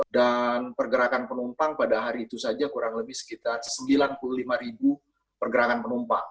dan pergerakan penumpang pada hari itu saja kurang lebih sekitar sembilan puluh lima ribu pergerakan penumpang